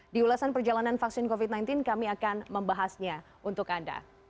di ulasan perjalanan vaksin covid sembilan belas kami akan membahasnya untuk anda